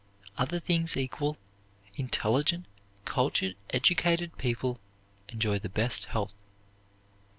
Other things equal, intelligent, cultured, educated people enjoy the best health.